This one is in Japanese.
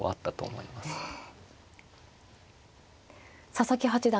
佐々木八段